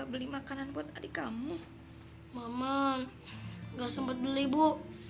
mereka orang yang mau ketemu ibu